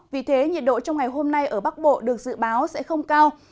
vì thế nhiệt độ trong ngày hôm nay ở bắc bộ được dự báo sẽ không cao